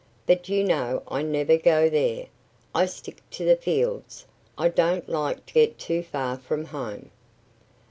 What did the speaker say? But you know I never go there. I stick to the fields. I don't like to get too far from home."